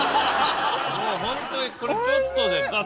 もうホントにこれちょっとでガッと。